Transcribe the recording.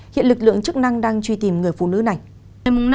hiện lực lượng chức năng đang truy tìm người phụ nữ này